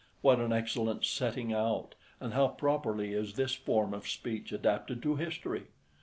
What an excellent setting out and how properly is this form of speech adapted to history!